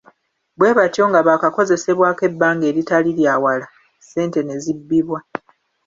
Bwe batyo nga baakakozesebwako ebbanga eritaali lya wala, ssente ne zibbibwa.